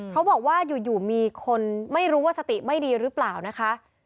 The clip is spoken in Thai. เขาบอกว่าอยู่มีคนไม่รู้ว่าสติไม่ดีหรือเปล่านะคะ